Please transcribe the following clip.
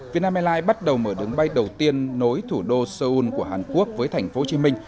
việt nam airlines bắt đầu mở đường bay đầu tiên nối thủ đô seoul của hàn quốc với thành phố hồ chí minh